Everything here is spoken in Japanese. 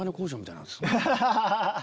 ハハハハハ！